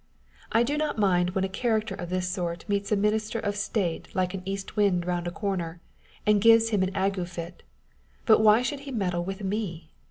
I do not mind when a character of this sort meets a minister of state like an east wind round a corner, and gives him an ague fit ; but why should he meddle with me